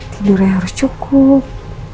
tidurnya harus cukup